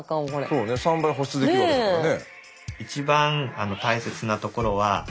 そうね３倍保湿できるわけだからね。